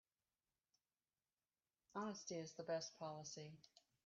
Honesty is the best policy.